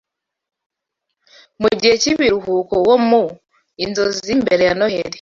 Mugihe cyibiruhuko wo mu "Inzozi Mbere ya Noheri"